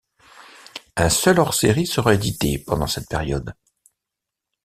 Un seul hors-série sera édité pendant cette période.